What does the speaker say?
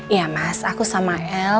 iya mas aku sama el